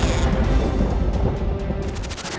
kenapa ketep ini